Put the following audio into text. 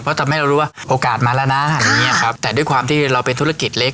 เพราะทำให้เรารู้ว่าโอกาสมาแล้วนะแต่ด้วยความที่เราเป็นธุรกิจเล็ก